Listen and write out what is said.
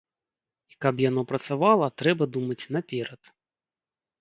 І каб яно працавала, трэба думаць наперад.